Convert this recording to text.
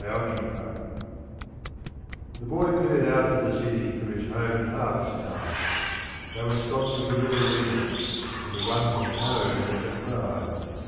9 Autoplay The boy cleared out to the city from his home at harvest time They were Scots of the Riverina, and to run from home was a crime.